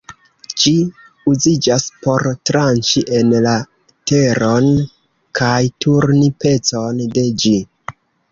Ĝi uziĝas por tranĉi en la teron kaj turni pecon de ĝi.